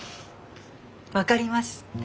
分かります。